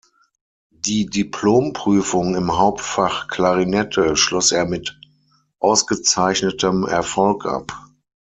Die Diplomprüfung im Hauptfach Klarinette schloss er mit ausgezeichnetem Erfolg ab.